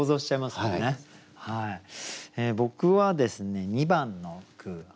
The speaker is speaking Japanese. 僕はですね２番の句。